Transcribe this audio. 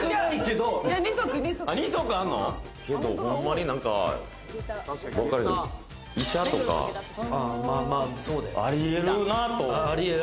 ほんまに何か医者とか、ありえるなと。